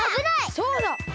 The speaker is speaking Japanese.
そうだ！